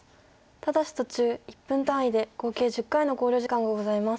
ただし途中１分単位で合計１０回の考慮時間がございます。